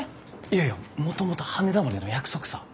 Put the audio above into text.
いやいやもともと羽田までの約束さぁ。